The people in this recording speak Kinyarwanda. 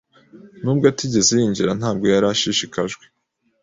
nubwo atigeze yinjira Ntabwo yari ashishikajwe